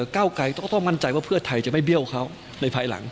เก้าไกรก็ต้องมั่นใจว่าเพื่อไทยจะไม่เบี้ยวเขาในภายหลัง